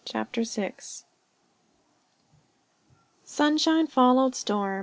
CHAPTER VI Sunshine followed storm.